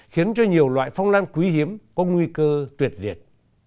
khiến cho nhiều loại phong lan quý hiếm có nguy cơ tuyệt liệt